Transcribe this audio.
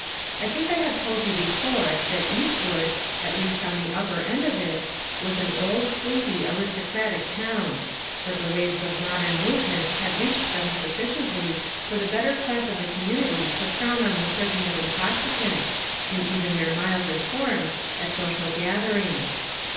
I think I have told you before, that Eastwood, at least in the upper end of it, was an old, sleepy, aristocratic town ; but the waves of modern movement had reached them sufficiently for the better class of the community to frown on the serving of intoxicants, in even their milder forms, at social gatherings.